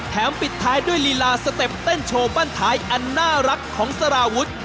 ปิดท้ายด้วยลีลาสเต็ปเต้นโชว์บ้านท้ายอันน่ารักของสารวุฒิ